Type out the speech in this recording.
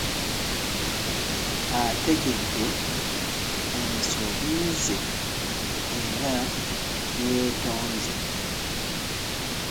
Ategedde ensobi ze era yeetonze.